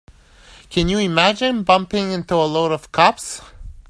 Can you imagine bumping into a load of cops?